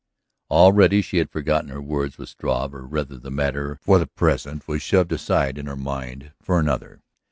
Already she had forgotten her words with Struve, or rather the matter for the present was shoved aside in her mind by another.